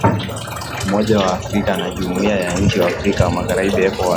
umoja wa afrika au na jumuiya ya nchi za afrika magharibi ecowas